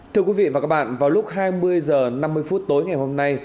thưa quý vị và các bạn vào lúc hai mươi h năm mươi phút tối ngày hôm nay